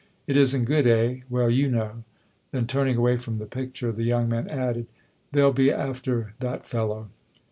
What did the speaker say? " It isn't good, eh ? Well, you know." Then turning away from the picture, the young man added :" They'll be after that fellow